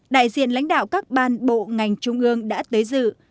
đại diện lãnh đạo các ban bộ ngành trung ương đã tới dự